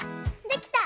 できた！